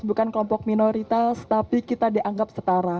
kita adalah kelompok minoritas tapi kita dianggap setara